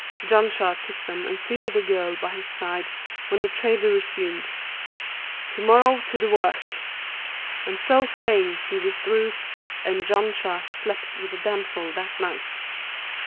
Janshah took them and seated the girl by his side when the trader resumed, 'To morrow to the work!'; and so saying he withdrew and Janshah slept with the damsel that night.